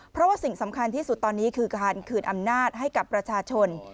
เพราะว่าสิ่งสำคัญที่สุดตอนนี้คือการคืนอำนาจให้กับประชาชน